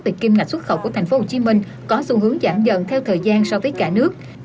về kim ngạch xuất khẩu của tp hcm có xu hướng giảm dần theo thời gian so với cả nước